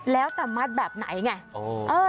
แล้วจะมัดแบบไหนไง